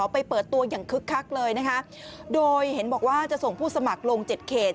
ไปเปิดตัวอย่างคึกคักเลยนะคะโดยเห็นบอกว่าจะส่งผู้สมัครลงเจ็ดเขต